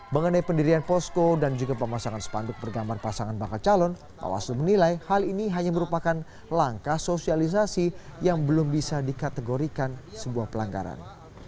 mengenai pendirian posko dan juga pemasangan spanduk bergambar pasangan bakal calon bawaslu menilai hal ini hanya merupakan langkah sosialisasi yang belum bisa dikategorikan sebuah pelanggaran